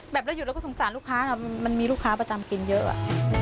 แบบแล้วหยุดแล้วก็สงสารลูกค้ามันมีลูกค้าประจำกินเยอะ